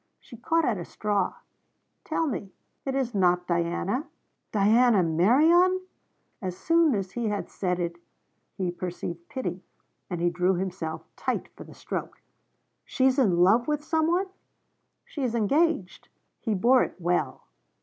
She caught at a straw: 'Tell me, it is not Diana?' 'Diana Merion!' As soon as he had said it he perceived pity, and he drew himself tight for the stroke. 'She's in love with some one?' 'She is engaged.' He bore it well.